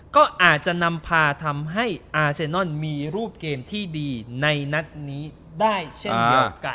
ก็อาจจะนำพาทำให้อาเซนอนมีรูปเกมที่ดีในนัดนี้ได้เช่นเดียวกัน